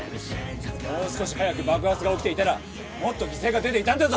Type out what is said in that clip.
もう少し早く爆発が起きていたらもっと犠牲が出ていたんだぞ！